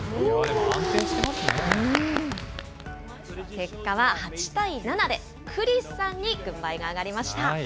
結果は８対７で、クリスさんに軍配が上がりました。